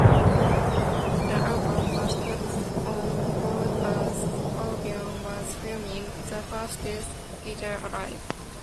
The album was put on hold as Orbison was filming "The Fastest Guitar Alive".